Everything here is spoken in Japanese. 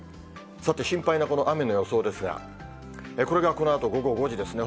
さて、心配なこの雨の予想ですが、これがこのあと、午後５時ですね。